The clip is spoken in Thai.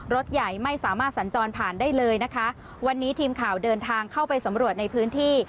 รถใหญ่ไม่สามารถสัญจรผ่านได้เลยนะคะวันนี้ทีมข่าวเดินทางเข้าไปสำรวจในพื้นที่